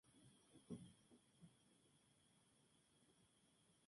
Tercero su formación autodidacta.